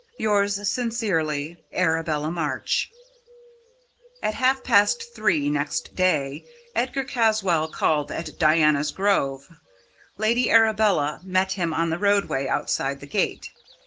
"Yours sincerely, "ARABELLA MARCH." At half past three next day, Edgar Caswall called at Diana's Grove. Lady Arabella met him on the roadway outside the gate.